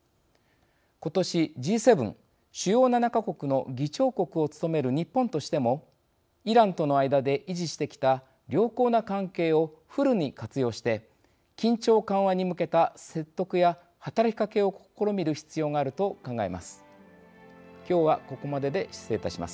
今年、Ｇ７＝主要７か国の議長国を務める日本としてもイランとの間で維持してきた良好な関係をフルに活用して緊張緩和に向けた説得や働きかけを試みる必要があると考えます。